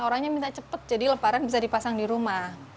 orangnya minta cepet jadi lebaran bisa dipasang di rumah